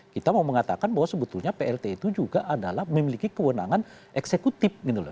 kita mau mengatakan bahwa sebetulnya plt itu juga adalah memiliki kewenangan eksekutif gitu loh